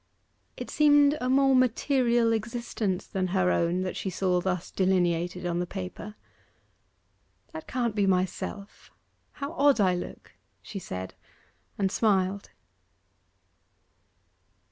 It seemed a more material existence than her own that she saw thus delineated on the paper. 'That can't be myself; how odd I look!' she said, and smiled.